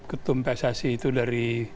ketumpesasi itu dari